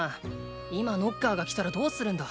今ノッカーが来たらどうするんだ。